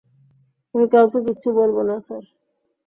আমি কাউকে কিচ্ছু বলবো না, স্যার।